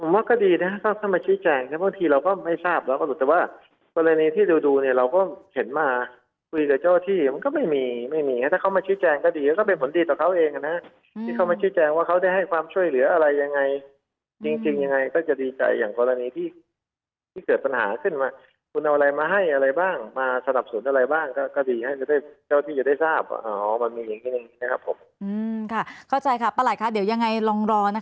ผมว่าก็ดีนะครับเข้ามาชี้แจงบางทีเราก็ไม่ทราบแล้วแต่ว่ากรณีที่ดูเราก็เห็นมาคุยกับเจ้าที่มันก็ไม่มีถ้าเข้ามาชี้แจงก็ดีมันก็เป็นผลดีต่อเขาเองที่เข้ามาชี้แจงว่าเขาได้ให้ความช่วยเหลืออะไรยังไงจริงยังไงก็จะดีใจอย่างกรณีที่เกิดปัญหาขึ้นมาคุณเอาอะไรมาให้อะไรบ้างมาสนับสนุนอะไรบ้าง